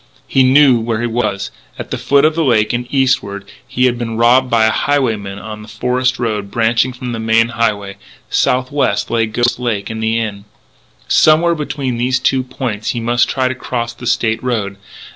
He knew where he was. At the foot of the lake, and eastward, he had been robbed by a highwayman on the forest road branching from the main highway. Southwest lay Ghost Lake and the Inn. Somewhere between these two points he must try to cross the State Road....